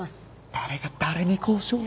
誰が誰に交渉を？